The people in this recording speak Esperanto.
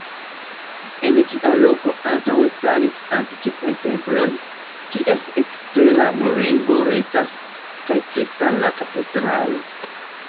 En ĝia loko antaŭe staris antikvaj temploj, kies ekstera murego restas, kaj kristana katedralo.